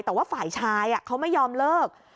แต่ว่าฝ่ายชายเขาไม่ยอมเลิก